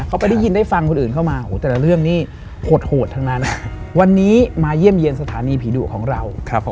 เขาไปได้ยินได้ฟังคนอื่นเข้ามาแต่ละเรื่องนี่โหดทั้งนั้นวันนี้มาเยี่ยมเยี่ยมสถานีผีดุของเรา